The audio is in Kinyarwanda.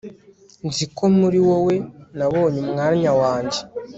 nzi ko muri wowe nabonye umwanya wanjye